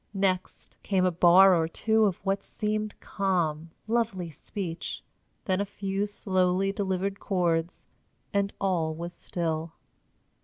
Next came a bar or two of what seemed calm, lovely speech, then a few slowly delivered chords, and all was still.